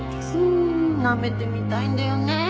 うーんなめてみたいんだよね？